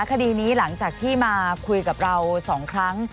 คดีนี้หลังจากที่มาคุยกับเรา๒ครั้ง